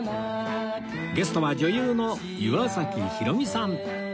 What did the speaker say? ゲストは女優の岩崎ひろみさん